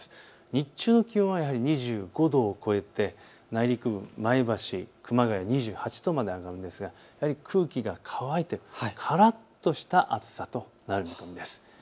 日中の気温は２５度を超えて内陸部、前橋、熊谷２８度まで上がるんですが、やはり空気が乾いてからっとした暑さとなる見込みです。